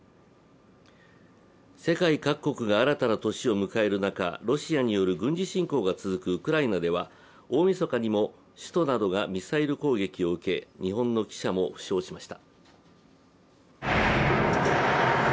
世界各国が新たな年を迎える中、ロシアによる軍事侵攻が続くウクライナでは、大みそかにも首都などがミサイル攻撃を受け、日本の記者も負傷しました。